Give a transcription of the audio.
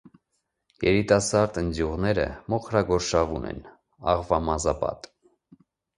Երիտասարդ ընձյուղները մոխրագորշավուն են, աղվամազապատ։